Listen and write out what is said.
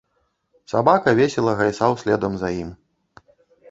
Сабака весела гайсаў следам за ім.